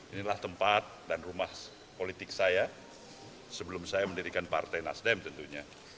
inilah tempat dan rumah politik saya sebelum saya mendirikan partai nasdem tentunya